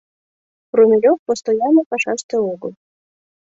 Румелёв постоянный пашаште огыл.